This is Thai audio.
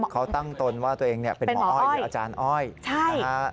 เขาตั้งตนว่าตัวเองเป็นหมออ้อยหรืออาจารย์อ้อยนะฮะ